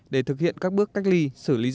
để thực hiện các bước cách ly xử lý dịch